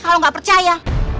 kalau gak percaya